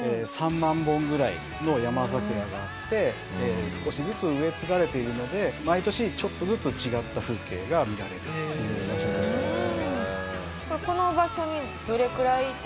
３万本ぐらいの山桜があって少しずつ植え継がれているので毎年ちょっとずつ違った風景が見られるという場所です。